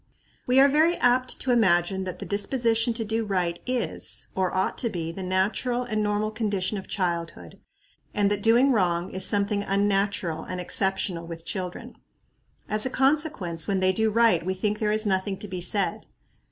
We are very apt to imagine that the disposition to do right is, or ought to be, the natural and normal condition of childhood, and that doing wrong is something unnatural and exceptional with children. As a consequence, when they do right we think there is nothing to be said.